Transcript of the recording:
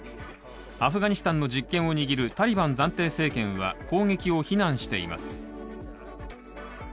アフガニスタンの実権を握る、タリバン暫定政権は攻撃を非難しています。